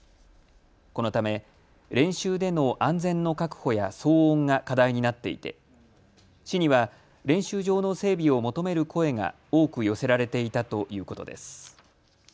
このため練習での安全の確保や騒音が課題になっていて市には練習場の整備を求める声が多く寄せられていたということです。